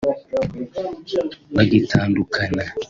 Bagitandukana